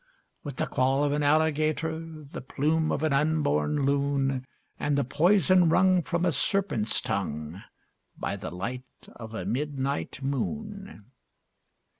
_With the caul of an alligator, The plume of an unborn loon, And the poison wrung From a serpent's tongue By the light of a midnight moon!